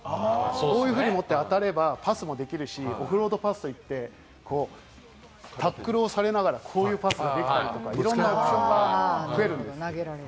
こういうふうに持って当たればパスもできるし、オフロードパスといって、タックルをされながら、こういうパスができたり、いろんなオプションが増えるんです。